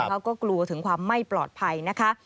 เขาก็กลัวถึงความไม่ปลอดภัยนะคะ